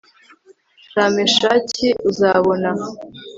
sha meshaki uzabona